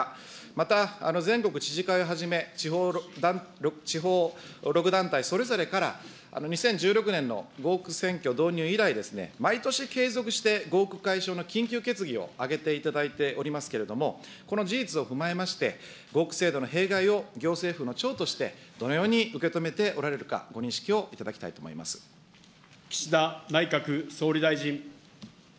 また全国知事会をはじめ、地方６団体それぞれから、２０１６年の合区選挙導入以来、毎年継続して合区解消の緊急決議を挙げていただいておりますけれども、この事実を踏まえまして、合区制度の弊害を行政府の長として、どのように受け止めておられるか、ご認識をいただきたいと思岸田内閣総理大臣。